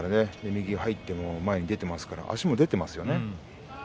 右が入って前に出ていますから足も出ていますよね。